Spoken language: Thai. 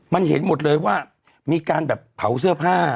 มันเห็นหมดเลยว่ามีการแบบเผาเสื้อผ้า